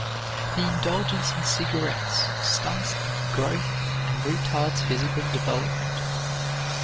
The indulgence in cigarettes stunts the growth and retards physical development.